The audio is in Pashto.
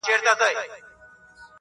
گوره رسوا بـــه سـو وړې خلگ خـبـري كـوي.